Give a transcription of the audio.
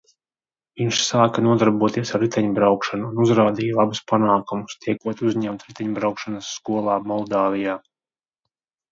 Viņš sāka nodarboties ar riteņbraukšanu un uzrādīja labus panākumus, tiekot uzņemts riteņbraukšanas skolā Moldāvijā.